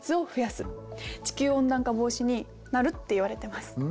地球温暖化防止になるっていわれてます。